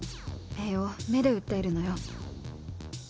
目で訴えるのよ！